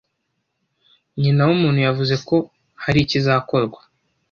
Nyinawumuntu yavuze ko hari ikizakorwa